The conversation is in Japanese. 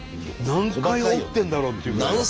何回折ってんだろうっていうぐらい。